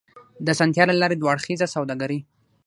د اسانتيا له لارې دوه اړخیزه سوداګري